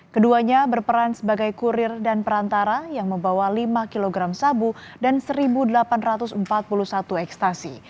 keduanya berperan sebagai kurir dan perantara yang membawa lima kg sabu dan satu delapan ratus empat puluh satu ekstasi